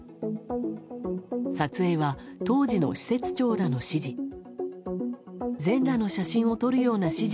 撮影は当時の施設長らの指示。